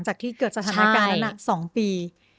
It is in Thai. จากที่เกิดสถานการณ์แล้วนะ๒ปี